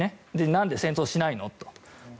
なんで戦争しないのと。